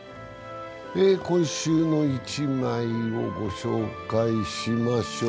「今週の一枚」をご紹介しましょう。